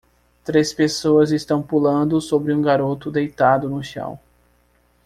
Três pessoas estão pulando sobre um garoto deitado no chão.